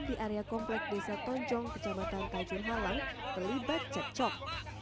di area komplek desa tonjong kejamaatan kajun halang berlibat cek cok